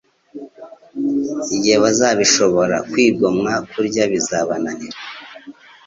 igihe bazabishobora. Kwigomwa kurya bizabazanira